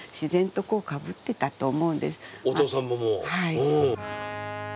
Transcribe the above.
はい。